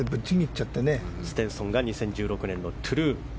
ステンソンが２０１６年のトルーン。